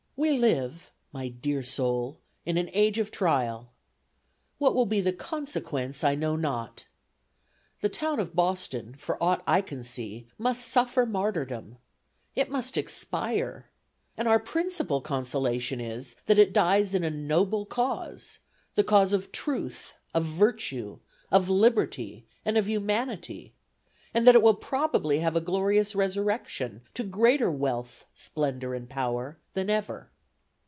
"We live, my dear soul, in an age of trial. What will be the consequence, I know not. The town of Boston, for aught I can see, must suffer martyrdom. It must expire. And our principal consolation is, that it dies in a noble cause the cause of truth, of virtue, of liberty, and of humanity, and that it will probably have a glorious resurrection to greater wealth, splendor and power, than ever.